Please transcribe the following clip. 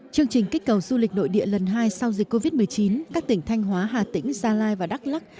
chương trình kích cầu du lịch nội địa lần hai sau dịch covid một mươi chín các tỉnh thanh hóa hà tĩnh gia lai và đắk lắc